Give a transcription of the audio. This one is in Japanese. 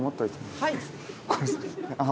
はい。